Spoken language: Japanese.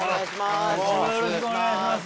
よろしくお願いします。